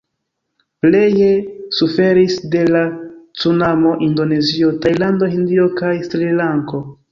Pleje suferis de la cunamo Indonezio, Tajlando, Hindio kaj Srilanko.